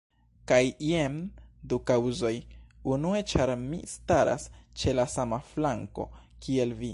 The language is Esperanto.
Kaj jen du kaŭzoj; unue ĉar mi staras ĉe la sama flanko kiel vi.